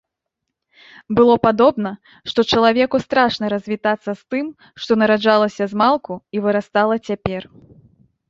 Было падобна, што чалавеку страшна развітацца з тым, што нараджалася змалку і вырастала цяпер.